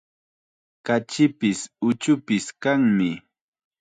Kachipis, uchupis kanmi.